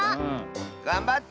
がんばって！